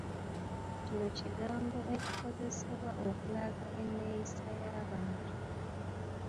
Kino kigambo ekikozesebwa okulaga enneeyisa y'abantu.